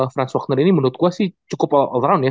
franz wagner ini menurut gua sih cukup all round ya